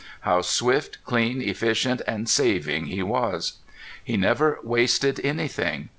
How swift, clean, efficient and saving he was! He never wasted anything.